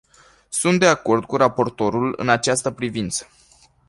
Sunt de acord cu raportorul în această privință.